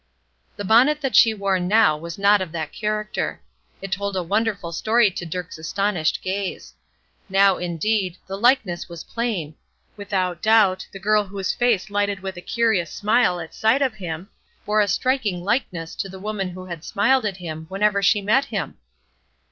The bonnet that she wore now was not of that character. It told a wonderful story to Dirk's astonished gaze. Now, indeed, the likeness was plain; without doubt, the girl whose face lighted with a curious smile at sight of him, bore a striking likeness to the woman who had smiled at him whenever she met him!